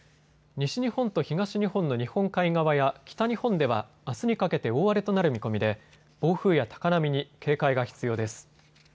西日本と東日本の日本海側や北日本ではあすにかけて大荒れとなる見込みで暴風や高波に警戒が必要です。